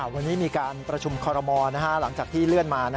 วันนี้มีการประชุมคอรมอลหลังจากที่เลื่อนมา